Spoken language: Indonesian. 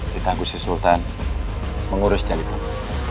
ditangguh si sultan mengurus jelitong